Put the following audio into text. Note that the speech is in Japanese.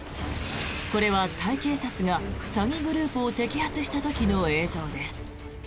これはタイ警察が詐欺グループを摘発した時の映像です。